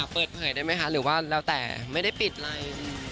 เปิดเผยได้ไหมคะหรือว่าแล้วแต่ไม่ได้ปิดอะไร